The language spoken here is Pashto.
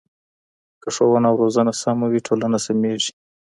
که ښوونه او روزنه سمه وي ټولنه سمېږي.